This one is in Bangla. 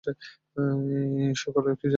ও এ-সকলের কী জানে?